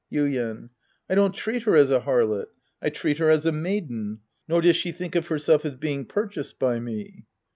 Yuien. I don't treat her as a harlot. I treat her as a maiden. Nor does she think of herself as being; purchased by me.